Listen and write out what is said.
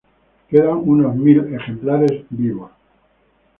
Quedan unos mil ejemplares vivos.